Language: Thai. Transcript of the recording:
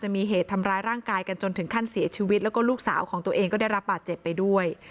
มีเหตุทำร้ายร่างกายกันจนถึงขั้นเสียชีวิตแล้วก็ลูกสาวของตัวเองก็ได้รับบาดเจ็บไปด้วย